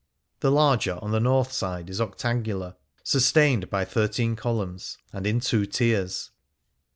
The larger, on the north side, is octangular, sustained by thirteen columns, and in two tiers.